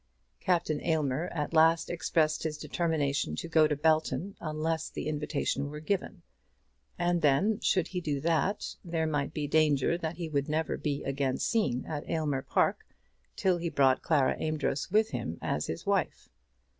Captain Aylmer at last expressed his determination to go to Belton unless the invitation were given; and then, should he do that, there might be danger that he would never be again seen at Aylmer Park till he brought Clara Amedroz with him as his wife.